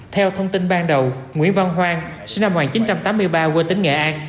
theo thông tin ban đầu nguyễn văn hoang sinh năm một nghìn chín trăm tám mươi ba quê tỉnh nghệ an